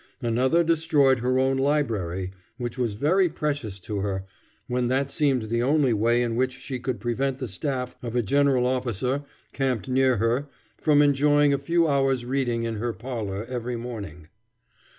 Another destroyed her own library, which was very precious to her, when that seemed the only way in which she could prevent the staff of a general officer, camped near her, from enjoying a few hours' reading in her parlor every morning.